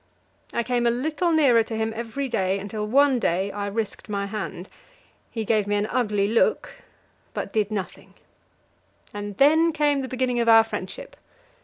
I came a little nearer to him every day, until one day I risked my hand. He gave me an ugly look, but did nothing; and then came the beginning of our friendship.